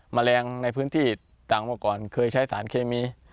แมลงในพื้นที่ต่างมาก่อนเคยใช้สารเคมี